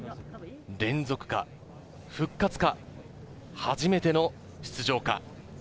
連続か、復活か、初めての出場か。